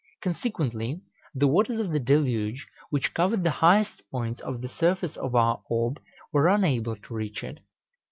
Consequently, the waters of the Deluge, which covered the highest points of the surface of our orb, were unable to reach it.